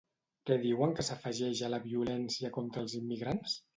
Què diuen que s'afegeix a la violència contra els immigrants?